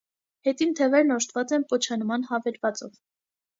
Հետին թևերն օժտված են պոչանման հավելվածով։